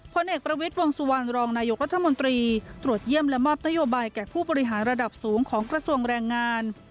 ผลเอกประวิทย์วงสุวรรณรองนายกรัฐมนตรีตรวจเยี่ยมและมอบนโยบายแก่ผู้บริหารระดับสูงของกระทรวงแรงงาน